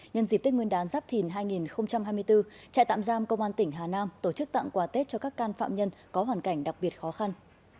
nhân dịp tết nguyên đán giáp thìn hai nghìn hai mươi bốn trại tạm giam công an tỉnh hà nam tổ chức tặng quà tết cho các can phạm nhân có hoàn cảnh đặc biệt khó khăn